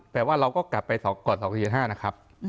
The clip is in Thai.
แต่ว่าเราก็กลับไปก่อน๒๔๕นะครับ